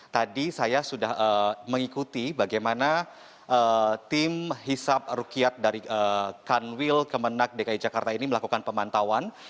tadi saya sudah mengikuti bagaimana tim hisap rukiat dari kanwil kemenang dki jakarta ini melakukan pemantauan